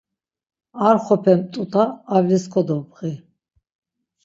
Ar xop̌e mt̆ut̆a avlis kodobği.